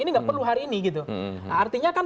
ini tidak perlu hari ini artinya kan